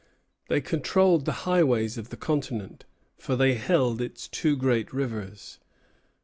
They controlled the highways of the continent, for they held its two great rivers.